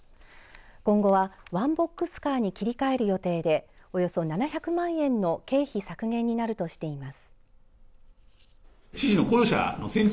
今後はワンボックスカーに切り替える予定でおよそ７００万円の経費削減になるとしています。